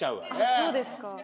そうですか。